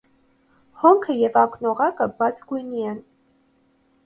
Հոնքը և ակնօղակը բաց գույնի են։